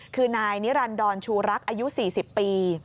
คือนายนิรันดรชูรักอายุ๔๐ปี